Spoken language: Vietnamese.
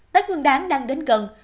tết nguyên đáng đang đến gần